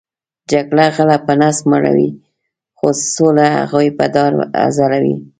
جګړه غلۀ په نس مړؤی خو سوله هغوې په دار ځړؤی